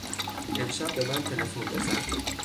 امشب به من تلفن بزن.